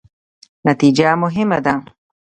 نتیجه مهمه ده